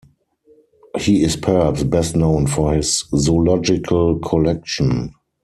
He is perhaps best known for his zoological collection.